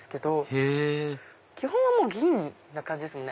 へぇ基本は銀な感じですもんね